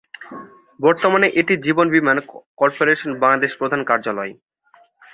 বর্তমানে এটি জীবন বীমা কর্পোরেশন বাংলাদেশের প্রধান কার্যালয়।